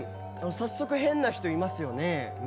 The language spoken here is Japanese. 早速変な人いますよね。